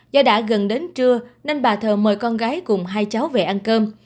do đã gần đến trưa nên bà thợ mời con gái cùng hai cháu về ăn cơm